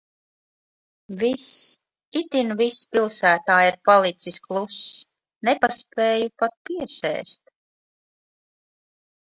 Viss, itin viss pilsētā ir palicis kluss. Nepaspēju pat piesēst.